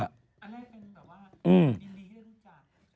อันนั้นเป็นแบบว่ายินดีที่ได้รู้จัก